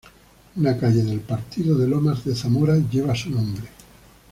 Una calle del partido de Lomas de Zamora lleva su nombre.